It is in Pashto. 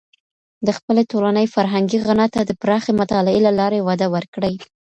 د خپلي ټولني فرهنګي غنا ته د پراخې مطالعې له لاري وده ورکړئ.